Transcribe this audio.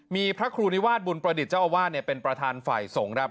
มีพระครูนิวาสบุญประดิษฐ์เจ้าอาวาสเป็นประธานฝ่ายสงฆ์ครับ